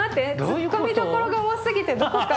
ツッコミどころが多すぎてどこから。